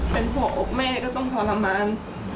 เป็นหัวอกแม่ก็ต้องทรมาน